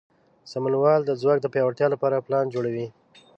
سمونوال د ځواک د پیاوړتیا لپاره پلان جوړوي.